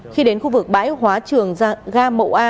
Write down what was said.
khi đến khu vực bãi hóa trường ga mậu a